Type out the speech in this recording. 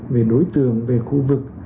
về đối tượng về khu vực